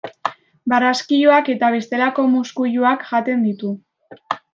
Barraskiloak eta bestelako muskuiluak jaten ditu.